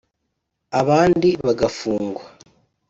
abandi bagafungwa